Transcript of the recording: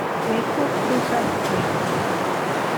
Luego cruza la puerta.